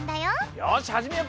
よしはじめようか。